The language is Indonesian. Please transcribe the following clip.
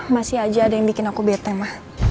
masih aja ada yang bikin aku beteng ma